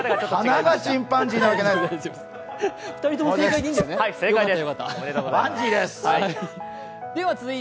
花がチンパンジーなわけがない。